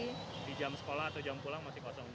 di jam sekolah atau jam pulang masih kosong